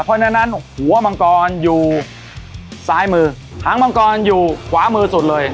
เพราะฉะนั้นหัวมังกรอยู่ซ้ายมือหางมังกรอยู่ขวามือสุดเลย